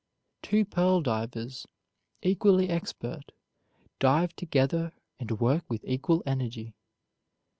Two pearl divers, equally expert, dive together and work with equal energy.